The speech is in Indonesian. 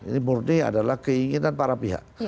ini menurut saya adalah keinginan para pihak